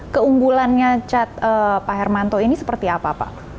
keunggulannya cat pak hermanto ini seperti apa pak